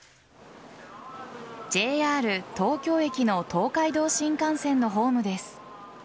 ＪＲ東京駅の東海道新幹線のホームです。